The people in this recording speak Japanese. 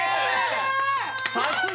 さすが！